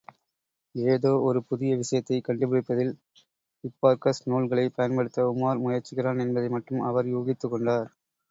ஏதோ ஒரு புதிய விஷயத்தைக் கண்டுபிடிப்பதில், ஹிப்பார்க்கஸ் நூல்களைப் பயன்படுத்த உமார் முயற்சிக்கிறான் என்பதை மட்டும் அவர் யூகித்துக்கொண்டார்.